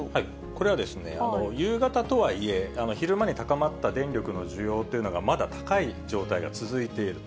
これはですね、夕方とはいえ、昼間に高まった電力の需要というのがまだ高い状態が続いている。